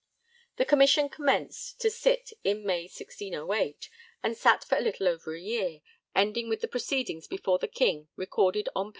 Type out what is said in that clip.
The Commission commenced to sit in May 1608 and sat for a little over a year, ending with the proceedings before the King recorded on pp.